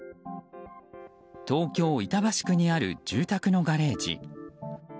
東京・板橋区にある住宅のガレージ。